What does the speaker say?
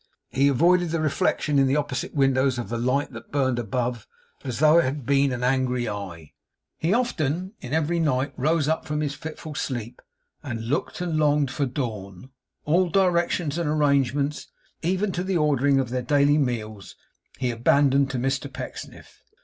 He avoided the reflection in the opposite windows of the light that burned above, as though it had been an angry eye. He often, in every night, rose up from his fitful sleep, and looked and longed for dawn; all directions and arrangements, even to the ordering of their daily meals, he abandoned to Mr Pecksniff.